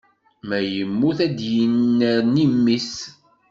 Ma yemmut ad d-yennerni mmi-s